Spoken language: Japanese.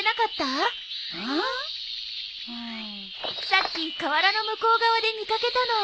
さっき河原の向こう側で見掛けたの。